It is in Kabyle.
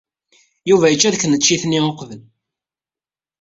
Yuba yečča deg tneččit-nni uqbel.